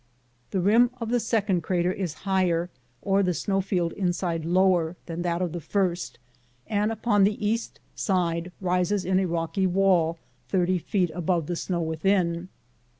The rim of the second crater is higher, or the snow field inside lower, than that of the first, and upon the east side rises in a rocky wall thirty feet above the snow within.